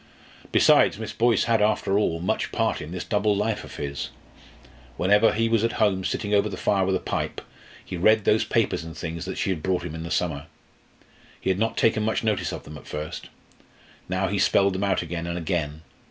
Besides, Miss Boyce had, after all, much part in this double life of his. Whenever he was at home, sitting over the fire with a pipe, he read those papers and things she had brought him in the summer. He had not taken much notice of them at first. Now he spelled them out again and again.